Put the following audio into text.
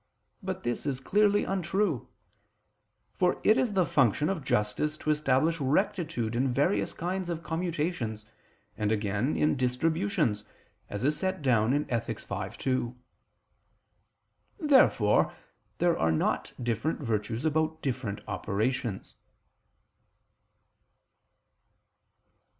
But this is clearly untrue: for it is the function of justice to establish rectitude in various kinds of commutations, and again in distributions, as is set down in Ethic. v, 2. Therefore there are not different virtues about different operations.